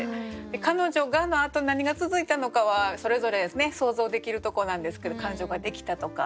「彼女が」のあと何が続いたのかはそれぞれ想像できるとこなんですけど彼女ができたとか。